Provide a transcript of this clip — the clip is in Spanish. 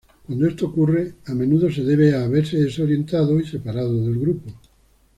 Cuando esto ocurre, a menudo se debe a haberse desorientado y separado del grupo.